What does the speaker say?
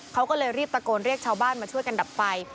เขาก็เลยรีบตะโกนเรียกชาวบ้านมาช่วยกันดับไฟ